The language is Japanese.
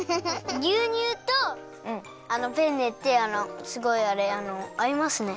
ぎゅうにゅうとあのペンネってすごいあれあのあいますね。